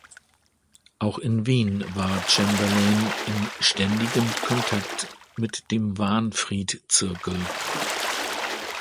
Auch in Wien war Chamberlain in ständigem Kontakt mit dem Wahnfried-Zirkel.